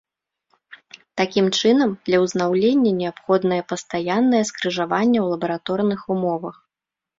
Такім чынам, для ўзнаўлення неабходнае пастаяннае скрыжаванне ў лабараторных умовах.